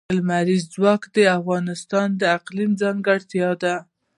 لمریز ځواک د افغانستان د اقلیم ځانګړتیا ده.